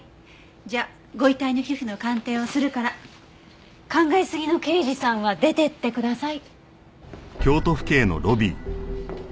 じゃあご遺体の皮膚の鑑定をするから考えすぎの刑事さんは出てってください。